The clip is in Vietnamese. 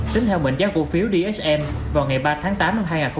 tính theo mệnh giá cổ phiếu dsm vào ngày ba tháng tám năm hai nghìn hai mươi ba